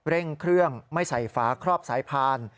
เร่งเครื่องไม่ใส่ฝาครอบสายพาน